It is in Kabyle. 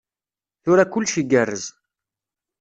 Tura kullec igerrez.